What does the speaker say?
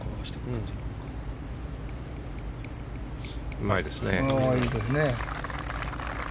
うまいですね。